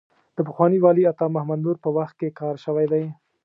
د پخواني والي عطا محمد نور په وخت کې کار شوی دی.